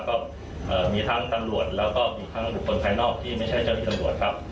ก็มีทั้งตำรวจแล้วก็มีทั้งบุคคลภายนอกที่ไม่ใช่เจ้าที่ตำรวจครับ